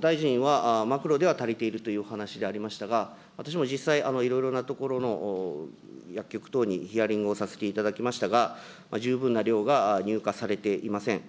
大臣は、マクロでは足りているという話でありましたが、私も実際、いろいろなところの薬局等にヒアリングをさせていただきましたが、十分な量が入荷されていません。